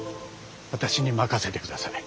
私に任せてください。